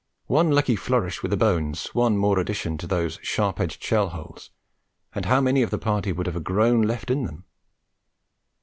One lucky flourish with the bones, one more addition to these sharp edged shell holes, and how many of the party would have a groan left in him?